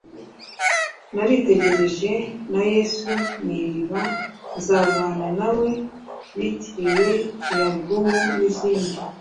« Naritegereje » na « Yesu ni Iriba » "Nzabana nawe " bitiriye iyi alubumu n'izindi